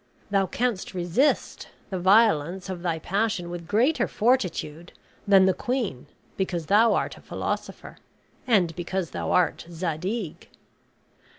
Thou canst resist the violence of thy passion with greater fortitude than the queen because thou art a philosopher, and because thou art Zadig.